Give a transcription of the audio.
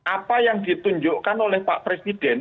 apa yang ditunjukkan oleh pak presiden